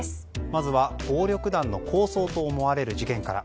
まずは暴力団の抗争と思われる事件から。